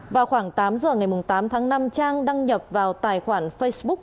vào khoảng tám giờ ngày tám tháng năm trang đăng nhập vào tài khoản facebook